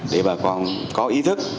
để bà con có ý thức